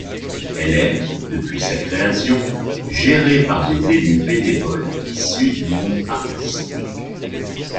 Elle est, depuis sa création, gérée par des élus bénévoles issus du monde artistique.